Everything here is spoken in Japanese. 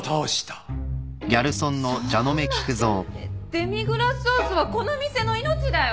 デミグラスソースはこの店の命だよ！？